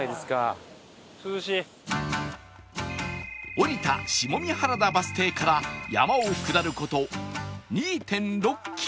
降りた下三原田バス停から山を下る事 ２．６ キロ